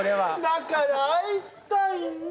だから会いたいの！